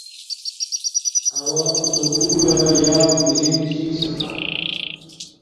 اوہ اُو سکُول لنا یات ارم چھس سکا